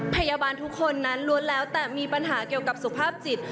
พยาบาลทุกคนนั้นล้วนแล้วแต่มีปัญหาเกี่ยวกับสุขภาพจิต